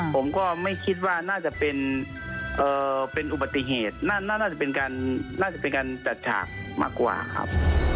ผมก็ไม่คิดว่าน่าจะเป็นอุบัติเหตุน่าจะเป็นการน่าจะเป็นการจัดฉากมากกว่าครับ